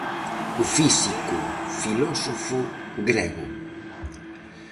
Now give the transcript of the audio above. O Físico Filósofo grego.